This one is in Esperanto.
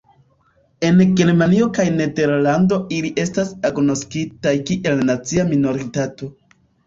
En Germanio kaj Nederlando ili estas agnoskitaj kiel nacia minoritato.